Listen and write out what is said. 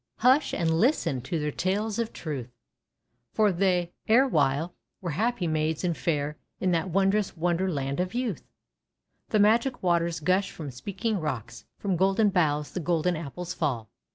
hush and listen to their tales of truth, For they, erewhile, were happy Maids and fair, In that wondrous Wonder Land of Youth /" The Magic Waters gush from Speaking Rocks, From Golden Boughs the Golden Apples fall9 A.